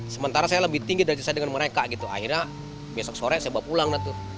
sementara saya lebih tinggi daripada saya dengan mereka gitu akhirnya besok sore saya bawa pulang